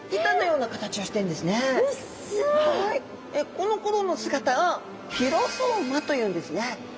このころの姿をフィロソーマというんですね。